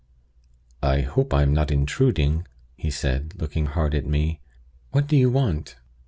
"I hope I am not intruding?" he said, looking hard at me. "What do you want?"